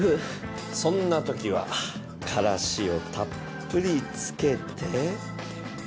そんな時はからしをたっぷり付けて。